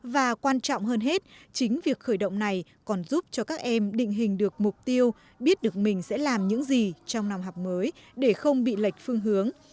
và quan trọng hơn hết chính việc khởi động này còn giúp cho các em định hình được mục tiêu biết được mình sẽ làm những gì trong năm học mới để không bị lệch phương hướng